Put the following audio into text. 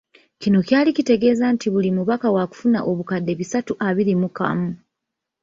Kino kyali kitegeeza nti buli mubaka waakufuna obukadde bisatu abiri mu kamu.